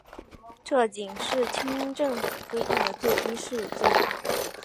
这仅是清政府规定的最低数字。